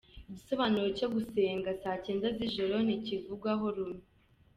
Igisobanuro cyo gusenga saa cyenda z’ijoro ntikivugwaho rumwe.